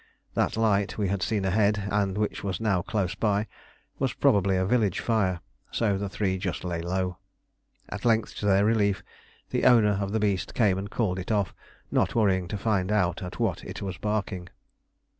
That light we had seen ahead, and which was now close by, was probably a village fire; so the three just lay low. At length, to their relief, the owner of the beast came and called it off, not worrying to find out at what it was barking.